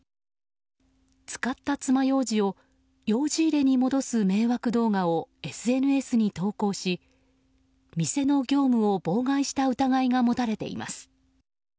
使ったつまようじをようじ入れに戻す迷惑動画をＳＮＳに投稿し店の業務を妨害した疑いが持たれています。